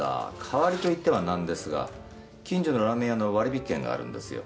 代わりといっては何ですが近所のラーメン屋の割引券があるんですよ。